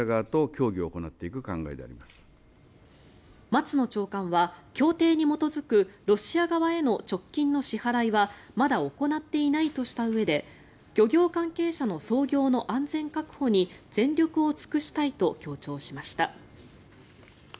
松野長官は協定に基づくロシア側への直近の支払いはまだ行っていないとしたうえで漁業関係者の操業の安全確保に全力を尽くしたいと強調しました。